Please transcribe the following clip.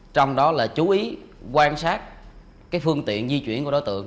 trong đó là chú ý quan sát cái phương tiện di chuyển của đối tượng